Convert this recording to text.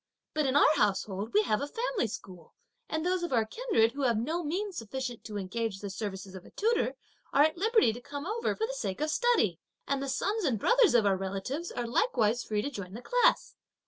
But in our household, we have a family school, and those of our kindred who have no means sufficient to engage the services of a tutor are at liberty to come over for the sake of study, and the sons and brothers of our relatives are likewise free to join the class.